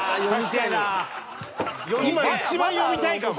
今一番読みたいかも。